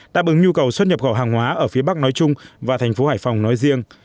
nguồn cầu xuất nhập gọi hàng hóa ở phía bắc nói chung và thành phố hải phòng nói riêng